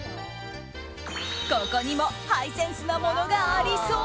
ここにもハイセンスなものがありそう。